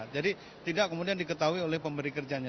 jadi tidak kemudian diketahui oleh pemberi kerjanya